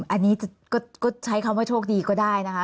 อันนี้ก็ใช้คำว่าโชคดีก็ได้นะคะ